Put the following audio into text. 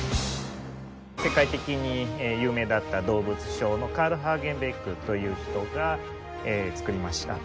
世界的に有名だった動物商のカール・ハーゲンベックという人が作りました。